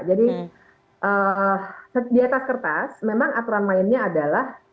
jadi di atas kertas memang aturan lainnya adalah